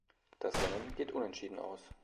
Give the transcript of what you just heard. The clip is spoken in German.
Das Rennen geht unentschieden aus.